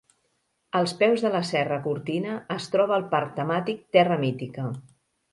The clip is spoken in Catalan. Als peus de la serra Cortina es troba el parc temàtic Terra Mítica.